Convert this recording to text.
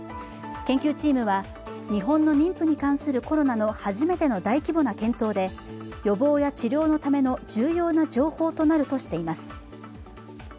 研究チームは日本の妊婦に関するコロナの初めての大規模な検討で予防や治療のための重要な情報となるとしています。